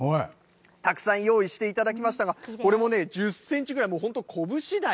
たくさん用意していただきましたが、これもね、１０センチぐらい、もう本当、拳大。